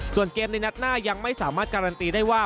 ส่วนเกมในนัดหน้ายังไม่สามารถการันตีได้ว่า